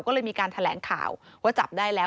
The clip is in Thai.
ก็เลยมีการแถลงข่าวว่าจับได้แล้ว